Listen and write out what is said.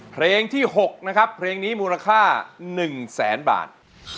เพลงที่๖นะครับเพลงนี้มูลค่า๑แสนบาท